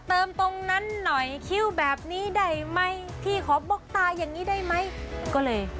เติมตรงนั้นหน่อยคิ้วแบบนี้ได้ไหมพี่ขอบล็อกตาอย่างนี้ได้ไหมก็เลย